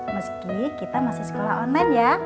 meski kita masih sekolah online ya